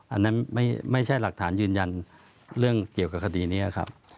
อันนั้นไม่ใช่หลักฐานยืนยันเรื่องเกี่ยวกับคดีนี้ครับ